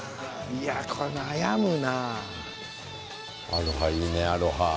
アロハいいねアロハ。